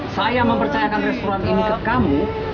saya mempercayakan restoran ini ke kamu